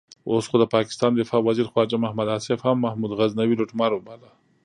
اوس خو د پاکستان دفاع وزیر خواجه محمد آصف هم محمود غزنوي لوټمار وباله.